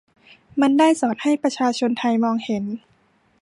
มันได้สอนให้ประชาชนไทยมองเห็น